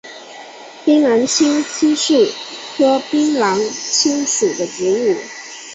槟榔青是漆树科槟榔青属的植物。